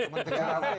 judul cnn salah